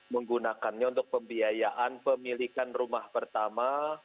menggunakannya untuk pembiayaan pemilikan rumah pertama